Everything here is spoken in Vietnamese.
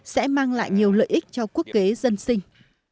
sẽ mang lại nhiều lợi ích cho quốc kế dân sinh